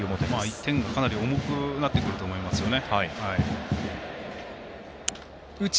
１点がかなり重くなると思いますよね。